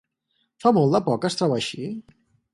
Fa molt de poc que es troba així?